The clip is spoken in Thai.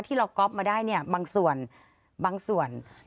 เราก๊อฟมาได้เนี่ยบางส่วนบางส่วน